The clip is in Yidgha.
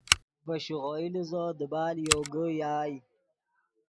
ڤے شیغوئی لیزو دیبال یوگے یائے